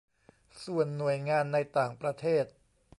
ส่วนหน่วยงานในต่างประเทศ